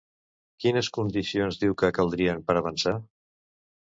Quines condicions diu que caldrien per avançar?